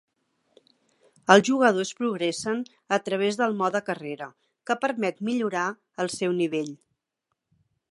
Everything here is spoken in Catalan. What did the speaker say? Els jugadors progressen a través del mode carrera que permet millorar el seu nivell.